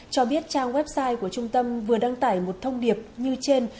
cho biết trang website của trung tâm vừa đăng tải một thông điệp như trên